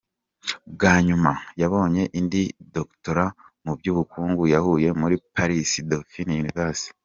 Bwa nyuma yabonye indi Doctorat mu bukungu yakuye muri Paris Dauphine University.